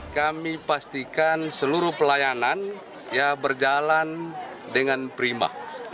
kami pastikan seluruh pelayanan berjalan dengan prima